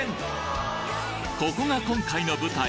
ここが今回の舞台